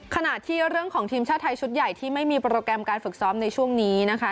ขณะที่เรื่องของทีมชาติไทยชุดใหญ่ที่ไม่มีโปรแกรมการฝึกซ้อมในช่วงนี้นะคะ